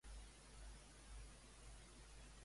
La dona a qui li explicà que coneixia?